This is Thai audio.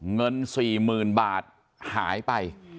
เงิน๔๐๐๐บาทหายไป